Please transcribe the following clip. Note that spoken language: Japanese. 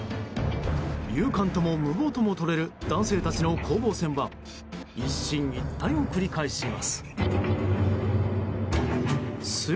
勇敢とも無謀とも取れる男性たちの攻防戦は一進一退を繰り返します。